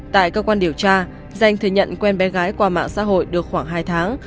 tại cơ quan điều tra danh thừa nhận quen bé gái qua mạng xã hội được khoảng hai tháng